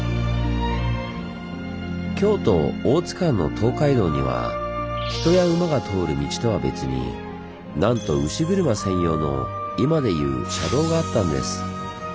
京都−大津間の東海道には人や馬が通る道とは別になんと牛車専用の今でいう車道があったんです。